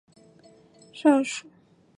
沼鼠耳蝠为蝙蝠科鼠耳蝠属的动物。